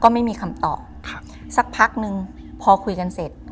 ไม่มีคำตอบครับสักพักนึงพอคุยกันเสร็จ